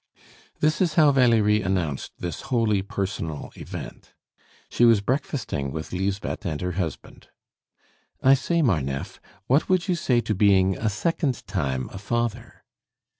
This is how Valerie announced this wholly personal event. She was breakfasting with Lisbeth and her husband. "I say, Marneffe, what would you say to being a second time a father?"